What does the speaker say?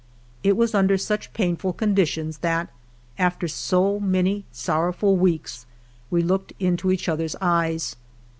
It was under such painful conditions that, after so many sorrowful weeks, we looked into each other's eyes.